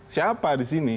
siapa di sini